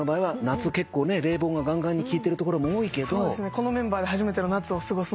このメンバーで初めての夏を過ごすのでここから。